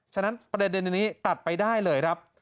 ฉะนั้นประเด็นนี้ตัดไปได้เลยครับ